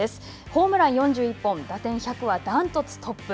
ホームラン４１本打点１００は断トツトップ。